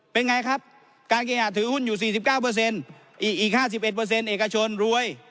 เป็นไงครับการเคหะถือหุ้นอยู่๔๙อีก๕๑เอกชนรวย